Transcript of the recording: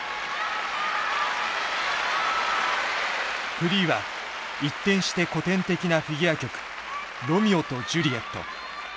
フリーは一転して古典的なフィギュア曲「ロミオとジュリエット」。